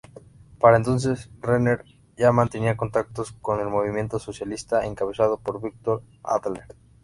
Para entonces Renner ya mantenía contactos con el movimiento socialista encabezado por Victor Adler.